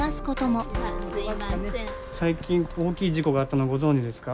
最近大きい事故があったのご存じですか？